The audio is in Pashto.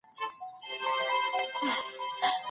ریښتینې پوهه انسان له درواغو ژغورلی سي.